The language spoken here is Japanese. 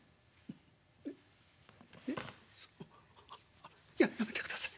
「ああいややめてください。